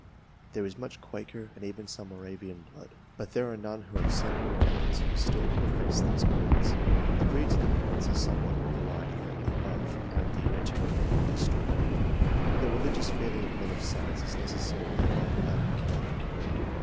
There is much Quaker, and even some Moravian blood, but there are none who have sent me returns who still profess those creeds. The creeds of the parents are somewhat more varied than the above, and the Unitarian element is stronger. The religious feeling of men of science is necessarily of a peculiar character.